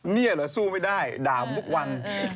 เนี่ยเหรอสู้ไม่ได้ด่าผมทุกวัน